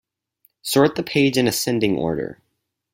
Sort the page in ascending order.